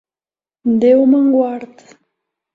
Déu me'n guard!